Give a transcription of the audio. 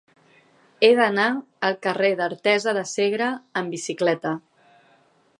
He d'anar al carrer d'Artesa de Segre amb bicicleta.